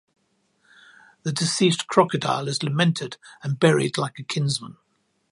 The deceased crocodile is lamented and buried like a kinsman.